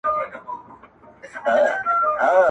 هغه نجلۍ چي ژاړي، هاغه د حوا په ښايست_